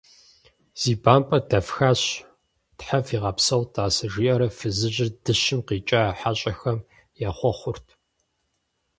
Си бампӀэр дэфхащ, Тхьэм фигъэпсэу, тӀасэ, – жиӀэурэ фызыжьыр дыщым къикӀа хьэщӀэхэм ехъуэхъурт.